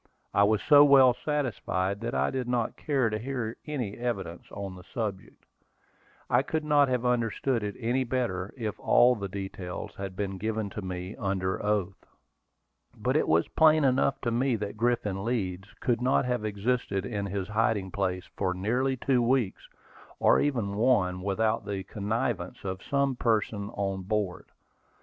I was so well satisfied that I did not care to hear any evidence on the subject. I could not have understood it any better if all the details had been given to me under oath. But it was plain enough to me that Griffin Leeds could not have existed in his hiding place for nearly two weeks, or even one, without the connivance of some person on board.